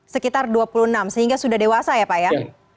sekitar dua puluh enam sehingga sudah dewasa ya pak ya